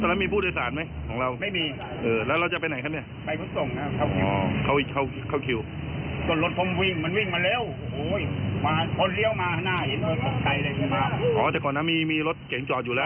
จอดอยู่ข้างขวานู้นต้องเปลี่ยนให้ไงก่อนรถผมเปิดไปเลี้ยวแล้ว